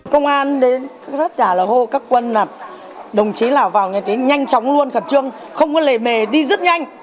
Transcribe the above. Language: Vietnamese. công an đến rất là hô các quân đồng chí nào vào nghe cái nhanh chóng luôn khẩn trương không có lề mề đi rất nhanh